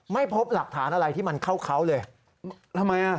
ไม่พบหลักฐานอะไรที่มันเข้าเขาเลยทำไมอ่ะ